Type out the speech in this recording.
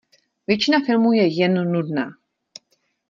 Většina filmu je jen nudná.